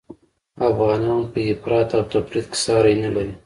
افغانان په افراط او تفریط کي ساری نلري